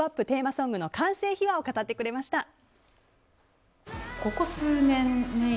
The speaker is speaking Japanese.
テーマソングの完成秘話を語ってくれました。